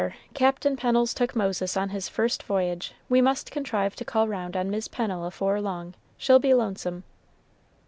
Captain Pennel's took Moses on his first voyage. We must contrive to call round on Mis' Pennel afore long. She'll be lonesome."